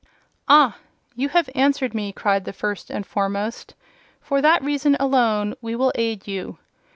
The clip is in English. "Ah! you have answered me," cried the First and Foremost. "For that reason alone we will aid you.